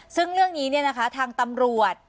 ซึ่งเรื่องนี้ทางตำรวจ